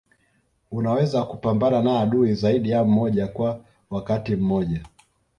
Unaweza kupambana na adui zaidi ya mmoja kwa wakati mmoja